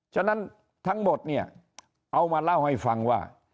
ฉะนั้นทั้งหมดเนี่ยเอามาเล่าให้ฟังว่า